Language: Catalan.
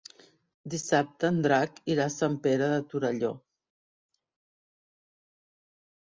Dissabte en Drac irà a Sant Pere de Torelló.